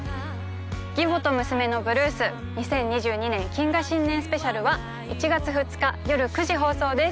「義母と娘のブルース２０２２年謹賀新年スペシャル」は１月２日よる９時放送です